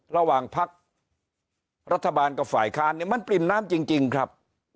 ระหว่างพักรัฐบาลกับฝ่ายค้านเนี่ยมันปริ่มน้ำจริงครับ